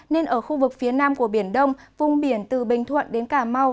nên ở khu vực phía nam của biển đông vùng biển từ bình thuận đến cà mau